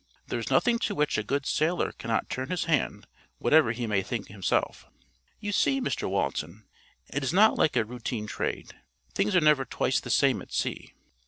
There is nothing to which a good sailor cannot turn his hand, whatever he may think himself. You see, Mr Walton, it is not like a routine trade. Things are never twice the same at sea.